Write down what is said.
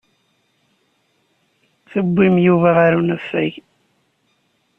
Tewwim Yuba ɣer unafag?